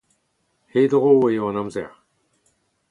Hedro eo an amzer.